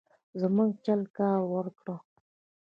زموږ چل کار ورکړ.